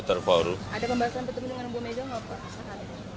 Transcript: ada pembahasan bertemu dengan bomega enggak pak